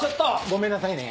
ごめんなさいね。